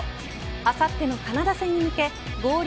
あさってのカナダ戦に向け合流